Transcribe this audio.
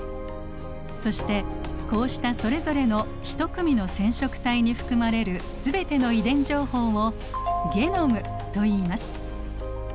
そしてこうしたそれぞれの一組の染色体に含まれる全ての遺伝情報をゲノムといいます。